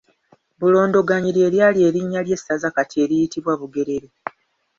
Bulondoganyi ly’eryali erinnya ly’essaza kati eriyitibwa Bugerere.